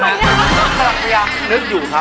น้องขลับตัวแย้งนึกอยู่ครับ